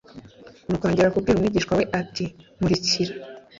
Nuko yongera kubwira umwigishwa we ati: "Nkurikira."